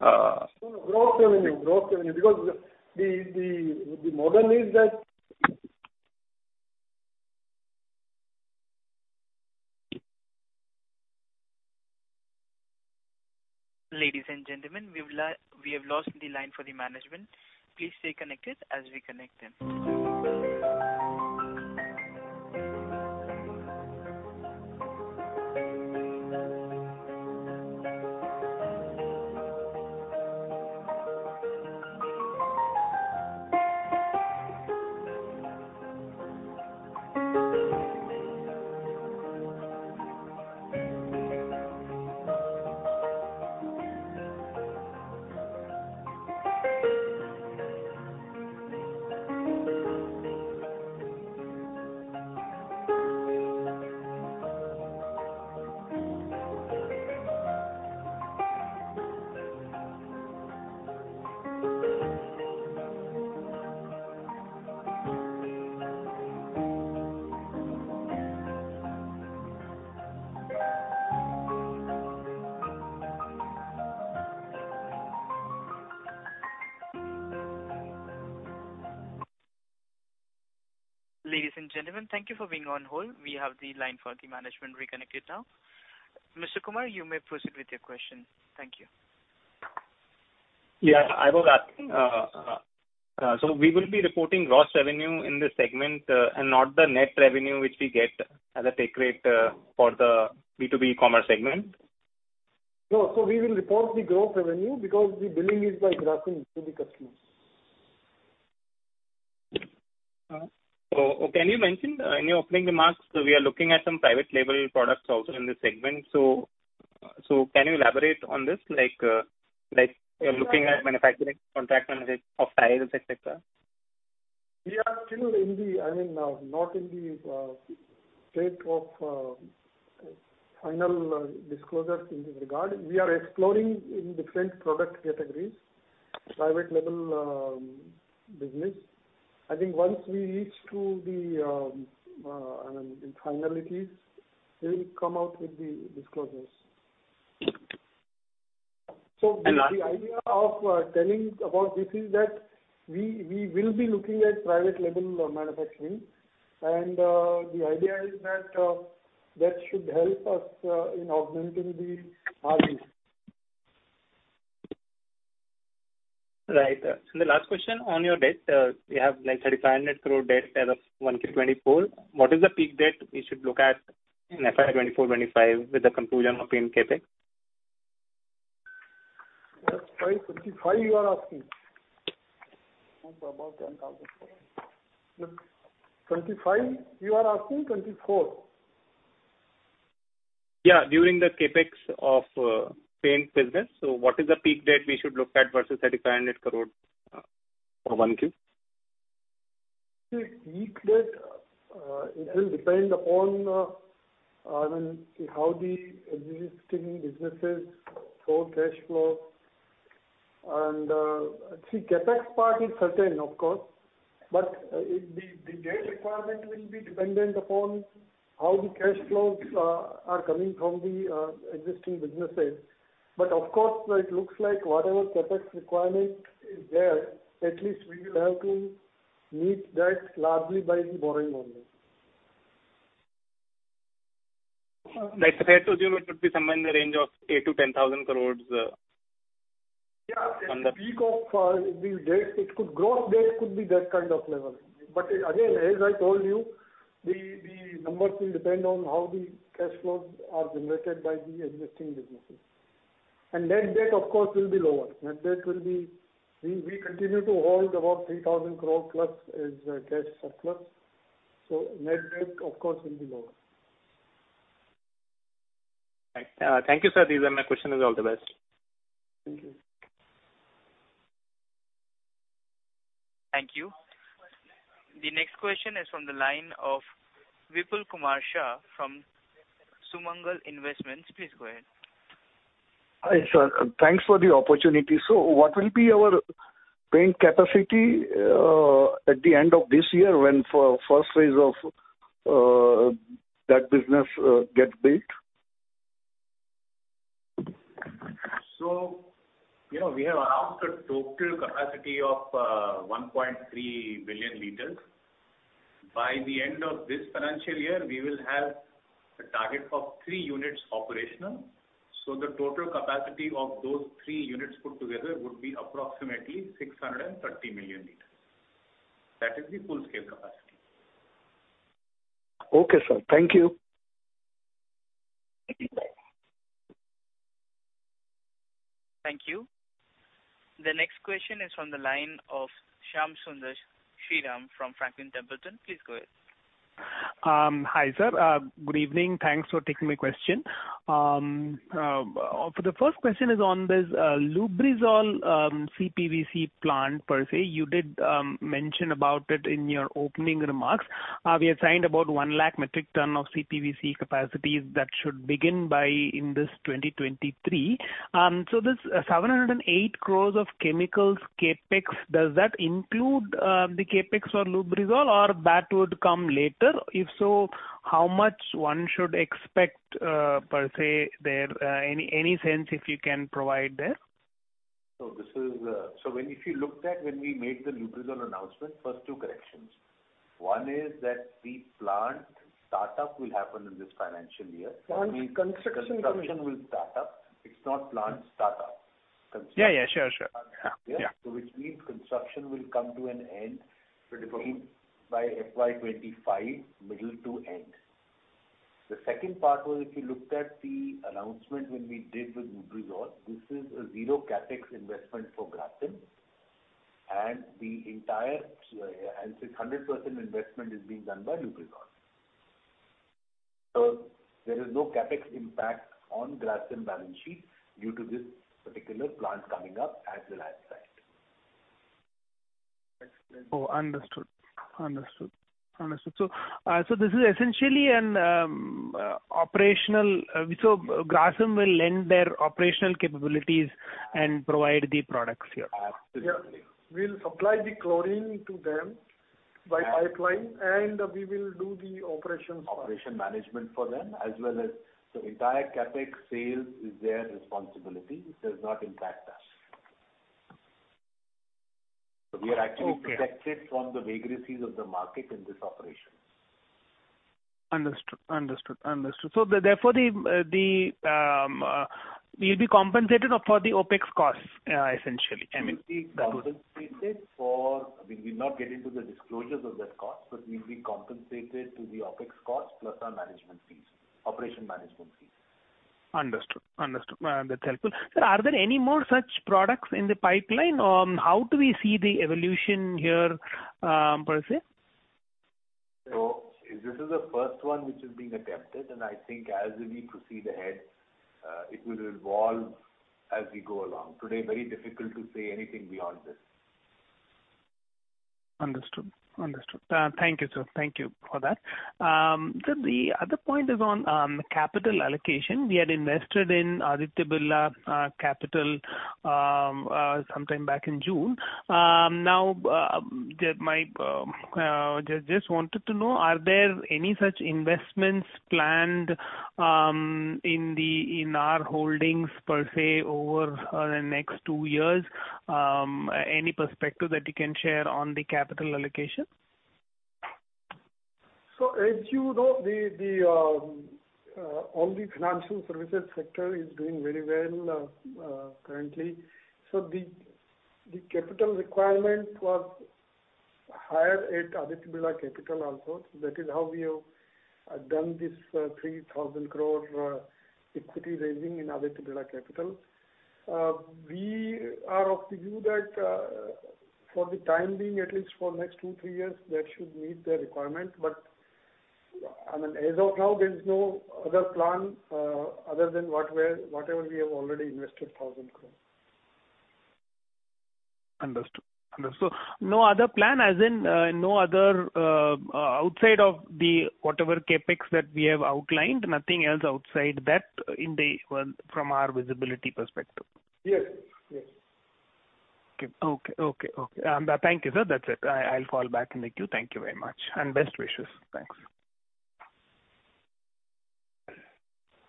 No, no. Gross revenue, gross revenue, because the model is that- Ladies and gentlemen, we've lost the line for the management. Please stay connected as we connect them. Ladies and gentlemen, thank you for being on hold. We have the line for the management reconnected now. Mr. Kumar, you may proceed with your question. Thank you. Yeah, I was asking, so we will be reporting gross revenue in this segment, and not the net revenue which we get as a take rate, for the B2B commerce segment? No, we will report the gross revenue because the billing is by drafting to the customers. Can you mention in your opening remarks, we are looking at some private label products also in this segment. Can you elaborate on this, like, like you're looking at manufacturing contract management of tiles, et cetera? We are still in the, I mean, not in the state of final disclosures in this regard. We are exploring in different product categories, private label business. I think once we reach to the finalities, we will come out with the disclosures. And last- The idea of telling about this is that we, we will be looking at private label manufacturing, and the idea is that that should help us in augmenting the margins. Right. The last question on your debt, you have like 3,500 crore debt as of Q1 2024. What is the peak debt we should look at in FY 2024-2025, with the conclusion of paint CapEx? Sorry, 25 you are asking? About 10,004. 25 you are asking, 24? Yeah, during the CapEx of paint business. What is the peak debt we should look at versus 3,500 crore for 1 Q? The peak debt, it will depend upon, I mean, how the existing businesses flow cash flow. See, CapEx part is certain, of course, but, the, the debt requirement will be dependent upon how the cash flows, are coming from the existing businesses. Of course, it looks like whatever CapEx requirement is there, at least we will have to meet that largely by the borrowing only. Like, I assume it would be somewhere in the range of 8,000-10,000 crore, on the- Yeah, peak of the debt, it could, gross debt could be that kind of level. Again, as I told you, the, the numbers will depend on how the cash flows are generated by the existing businesses. Net debt, of course, will be lower. Net debt will be, we, we continue to hold about 3,000 crore plus as cash surplus, so net debt, of course, will be lower. Right. Thank you, sir. These are my questions and all the best. Thank you. Thank you. The next question is from the line of Vipulkumar Shah from Sumangal Investments. Please go ahead. Hi, sir. Thanks for the opportunity. What will be our paint capacity at the end of this year when first phase of that business gets built? We have announced a total capacity of 1.3 billion liters. By the end of this financial year, we will have a target of 3 units operational. The total capacity of those 3 units put together would be approximately 630 million liters. That is the full scale capacity. Okay, sir. Thank you. Thank you. Bye-bye. Thank you. The next question is from the line of Shyam Sundar Sriram from Franklin Templeton. Please go ahead. Hi, sir. Good evening. Thanks for taking my question. For the first question is on this Lubrizol CPVC plant per se. You did mention about it in your opening remarks. We have signed about 1 lakh metric ton of CPVC capacities that should begin by in this 2023. This 708 crore of chemicals CapEx, does that include the CapEx for Lubrizol, or that would come later? If so, how much one should expect per se there, any sense if you can provide there? This is, so when if you looked at when we made the Lubrizol announcement, first 2 corrections. 1 is that the plant startup will happen in this financial year. Plant construction. Construction will start up. It's not plant startup. Yeah, yeah, sure, sure. Yeah. Yeah. Which means construction will come to an end by FY 2025, middle to end. The second part was, if you looked at the announcement when we did with Lubrizol, this is a zero CapEx investment for Grasim, and the entire, I'll say 100% investment is being done by Lubrizol. There is no CapEx impact on Grasim balance sheet due to this particular plant coming up at the site. Oh, understood. Understood. Understood. This is essentially an operational, so Grasim will lend their operational capabilities and provide the products here? Absolutely. Yeah. We'll supply the chlorine to them by pipeline, and we will do the operations for- Operation management for them, as well as the entire CapEx sales is their responsibility, it does not impact us. Okay. We are actually protected from the vagaries of the market in this operation. Understood. Understood. Understood. Therefore, the, you'll be compensated for the OpEx costs, essentially, I mean? We'll be compensated. We will not get into the disclosures of that cost. We'll be compensated to the OpEx costs plus our management fees, operation management fees. Understood. Understood. That's helpful. Sir, are there any more such products in the pipeline? How do we see the evolution here, per se? This is the first one which is being attempted, and I think as we proceed ahead, it will evolve as we go along. Today, very difficult to say anything beyond this. Understood. Understood. Thank you, sir. Thank you for that. Sir, the other point is on capital allocation. We had invested in Aditya Birla Capital sometime back in June. Now, just wanted to know, are there any such investments planned in the, in our holdings per se, over the next two years? Any perspective that you can share on the capital allocation? As the, the all the financial services sector is doing very well currently. The, the capital requirement was higher at Aditya Birla Capital also. That is how we have done this 3,000 crore equity raising in Aditya Birla Capital. We are of the view that for the time being, at least for next two, three years, that should meet their requirement. I mean, as of now, there is no other plan other than whatever we have already invested 1,000 crore. Understood. Understood. No other plan, as in, no other, outside of the whatever CapEx that we have outlined, nothing else outside that in the, from our visibility perspective? Yes. Yes. Okay. Okay, okay. Thank you, sir. That's it. I, I'll fall back in the queue. Thank you very much, and best wishes. Thanks.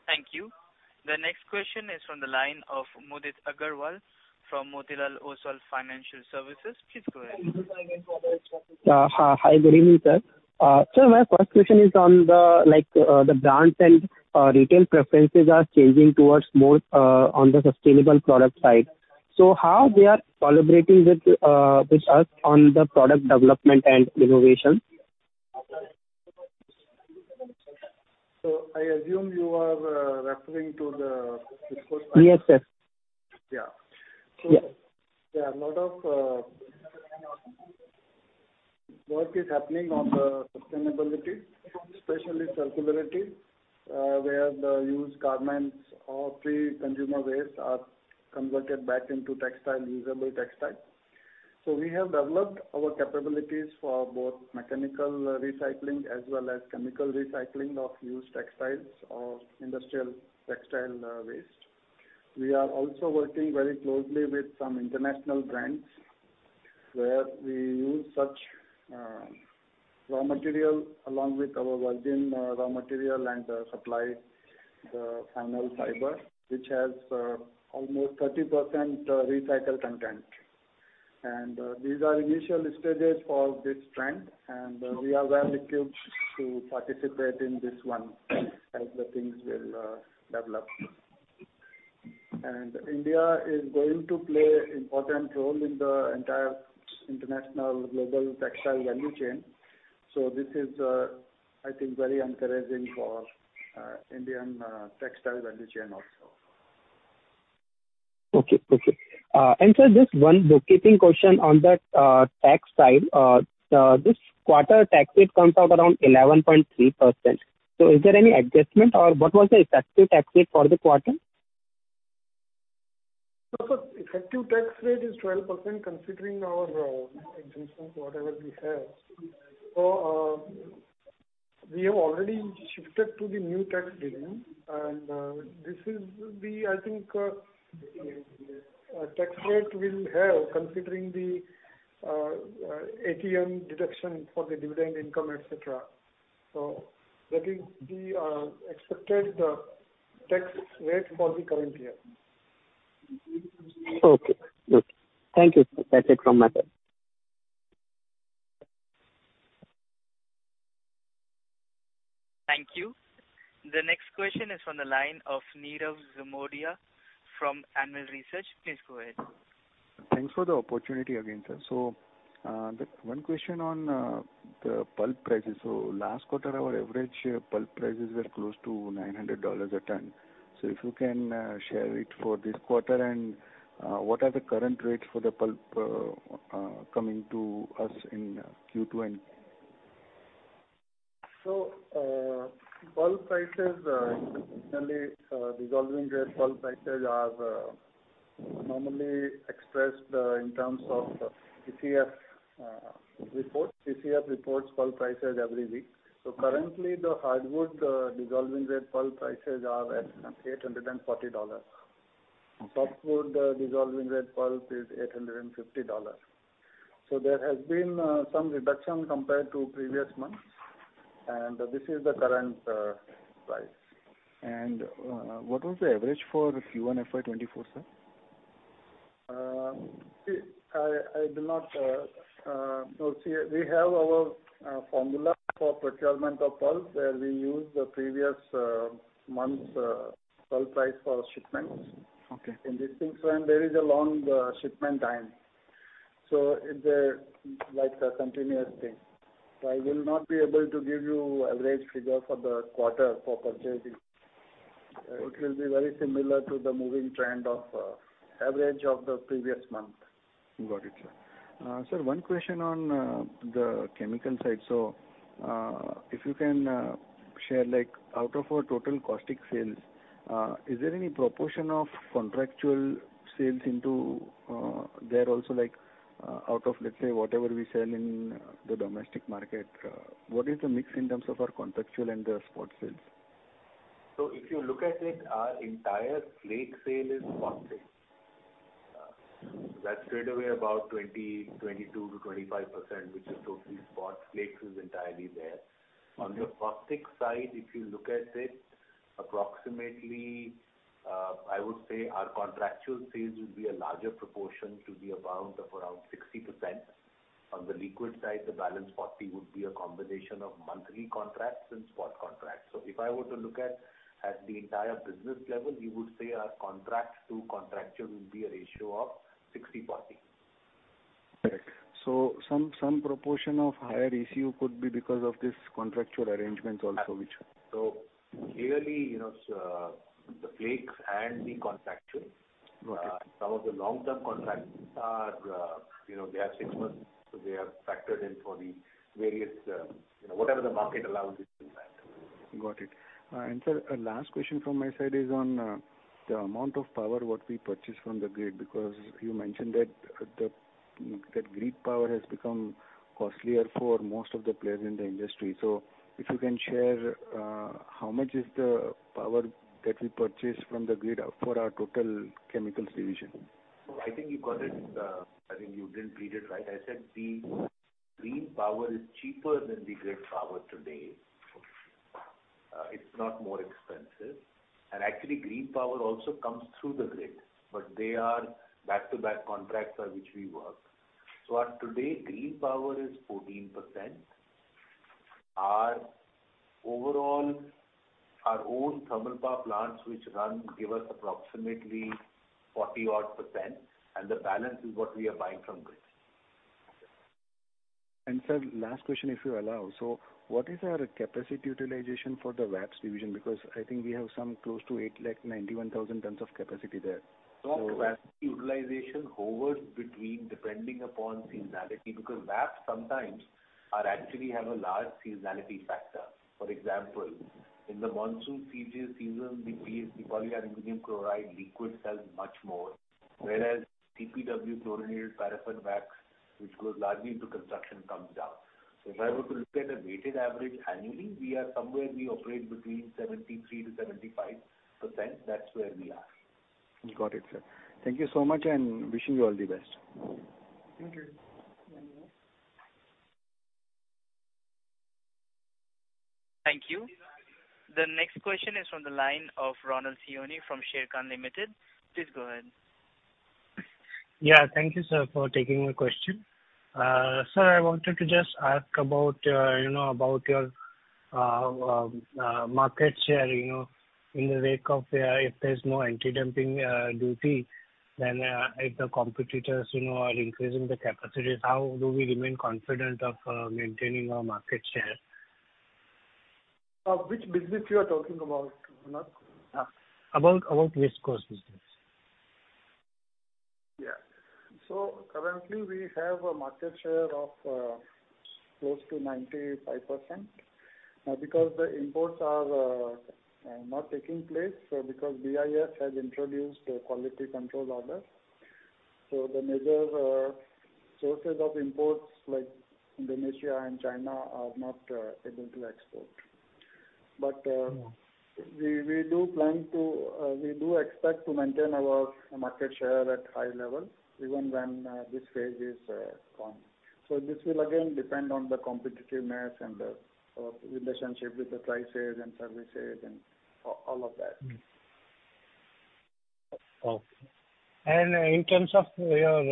Thank you. The next question is from the line of Mudit Aggarwal from Motilal Oswal Financial Services. Please go ahead. Hi, good evening, sir. My first question is on the, like, the brands and retail preferences are changing towards more on the sustainable product side. How we are collaborating with us on the product development and innovation? I assume you are referring to the viscose? Yes, yes. Yeah. Yeah. There are a lot of work is happening on the sustainability, especially circularity, where the used garments or pre-consumer waste are converted back into textile, usable textile. We have developed our capabilities for both mechanical recycling as well as chemical recycling of used textiles or industrial textile waste. We are also working very closely with some international brands, where we use such raw material along with our virgin raw material and supply the final fiber, which has almost 30% recycled content. These are initial stages for this trend, and we are well equipped to participate in this one as the things will develop. India is going to play important role in the entire international global textile value chain. This is, I think, very encouraging for Indian textile value chain also. Okay. Okay. Sir, just 1 bookkeeping question on that, tax side. This quarter tax rate comes out around 11.3%. Is there any adjustment, or what was the effective tax rate for the quarter? Effective tax rate is 12%, considering our exemptions, whatever we have. We have already shifted to the new tax regime, and this is the, I think, tax rate we'll have considering the AMT deduction for the dividend income, et cetera. That is the expected tax rate for the current year. Okay. Good. Thank you, sir. That's it from my side. Thank you. The next question is on the line of Nirav Bothra from Anvil Research. Please go ahead. Thanks for the opportunity again, sir. The one question on the pulp prices. Last quarter, our average pulp prices were close to $900 a ton. If you can share it for this quarter, and what are the current rates for the pulp coming to us in Q2 end? Pulp prices, traditionally, dissolving grade pulp prices are normally expressed in terms of ACF reports. ACF reports pulp prices every week. Currently, the hardwood, dissolving grade pulp prices are at $840. Okay. Softwood dissolving grade pulp is $850. There has been some reduction compared to previous months, and this is the current price. What was the average for Q1 FY 2024, sir? Well, see, we have our formula for procurement of pulp, where we use the previous month's pulp price for shipments. Okay. These things, when there is a long, shipment time. It's a, like a continuous thing. I will not be able to give you average figure for the quarter for purchasing. It will be very similar to the moving trend of, average of the previous month. Got it, sir. Sir, 1 question on the chemical side. If you can share, like, out of our total caustic sales, is there any proportion of contractual sales into there also, like, out of, let's say, whatever we sell in the domestic market, what is the mix in terms of our contractual and the spot sales? If you look at it, our entire flake sale is spot sale. That's straightaway about 20, 22%-25%, which is totally spot. Flakes is entirely there. Okay. On the caustic side, if you look at it, approximately, I would say our contractual sales will be a larger proportion to be around, of around 60%. On the liquid side, the balance 40 would be a combination of monthly contracts and spot contracts. If I were to look at, at the entire business level, you would say our contracts to contractual would be a ratio of 60/40. Correct. Some, some proportion of higher ECU could be because of this contractual arrangements also, which... Clearly, the flakes and the contractual. Got it. Some of the long-term contracts are, they are 6 months, so they are factored in for the various, whatever the market allows it to factor. Got it. Sir, a last question from my side is on the amount of power what we purchase from the grid, because you mentioned that the, that grid power has become costlier for most of the players in the industry. If you can share how much is the power that we purchase from the grid for our total Chemicals division? I think you got it, I think you didn't read it right. I said the green power is cheaper than the grid power today. Okay. It's not more expensive. Actually, green power also comes through the grid, but they are back-to-back contracts by which we work. Our today, green power is 14%. Our overall, our own thermal power plants, which run, give us approximately 40 odd %, and the balance is what we are buying from grid. Sir, last question, if you allow. What is our capacity utilization for the WAPS division? Because I think we have some close to 891,000 tons of capacity there. Top capacity utilization hovers between depending upon seasonality, because WAPS sometimes are actually have a large seasonality factor. For example, in the monsoon season, the polyaluminium chloride liquid sells much more, whereas CPW, chlorinated paraffin wax, which goes largely into construction, comes down. If I were to look at a weighted average annually, we are somewhere we operate between 73%-75%. That's where we are. Got it, sir. Thank you so much, and wishing you all the best. Thank you. Thank you. The next question is from the line of Ronald Siyoni from Sharekhan Limited. Please go ahead. Thank you, sir, for taking my question. Sir, I wanted to just ask about, about your market share, in the wake of, if there's no antidumping duty, then, if the competitors, are increasing the capacities, how do we remain confident of maintaining our market share? Which business you are talking about, Ronald? About West Coast business. Yeah. Currently, we have a market share of close to 95% because the imports are not taking place because BIS has introduced a quality control order. The major sources of imports, like Indonesia and China, are not able to export. But- Mm-hmm. We do plan to, we do expect to maintain our market share at high level even when this phase is gone. This will again depend on the competitiveness and the relationship with the prices and services and all of that. Mm-hmm. Okay. In terms of your,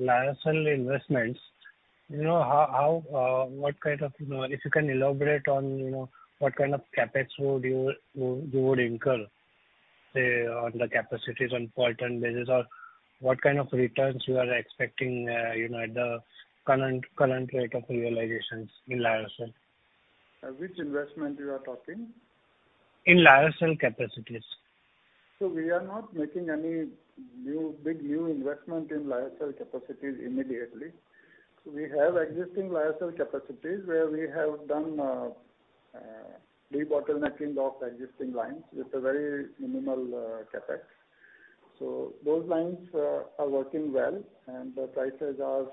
Lyocell investments, how, how, what kind of, if you can elaborate on, what kind of CapEx would you, you would incur, say, on the capacities on point and basis, or what kind of returns you are expecting, at the current, current rate of realizations in Lyocell? Which investment you are talking? In Lyocell capacities. We are not making any new, big new investment in Lyocell capacities immediately. We have existing Lyocell capacities, where we have done debottlenecking of existing lines with a very minimal CapEx. Those lines are working well, and the prices are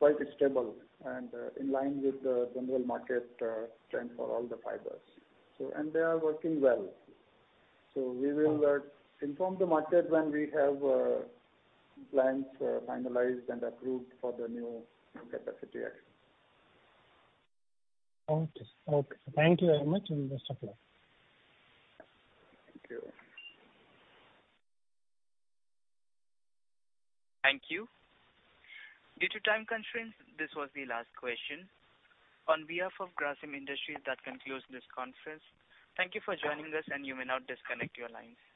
quite stable and in line with the general market trend for all the fibers. They are working well. We will inform the market when we have plans finalized and approved for the new capacity action. Okay. Okay. Thank you very much, and best of luck. Thank you. Thank you. Due to time constraints, this was the last question. On behalf of Grasim Industries, that concludes this conference. Thank you for joining us, and you may now disconnect your lines.